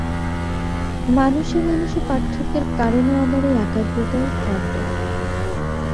মানুষে মানুষে পার্থক্যের কারণও আবার এই একাগ্রতার তারতম্য।